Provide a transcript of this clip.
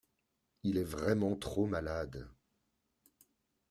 il est vraiment trop malade...